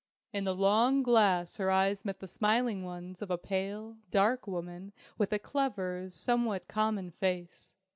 In the long glass her eyes met the smiling ones of a pale, dark woman with a clever, somewhat common face.